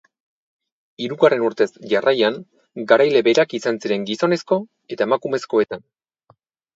Hirugarren urtez jarraian garaile berak izan ziren gizonezko eta emakumezkoetan.